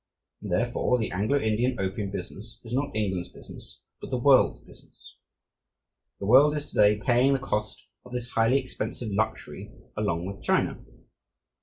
And therefore the Anglo Indian opium business is not England's business, but the world's business. The world is to day paying the cost of this highly expensive luxury along with China.